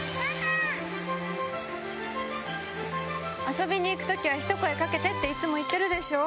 遊びに行く時はひと声掛けてっていつも言ってるでしょ。